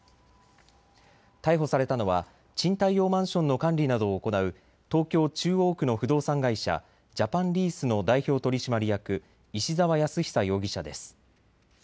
逮捕されたのは賃貸用マンションの管理などを行う東京中央区の不動産会社、ジャパンリースの代表取締役、石澤靖久容疑者です。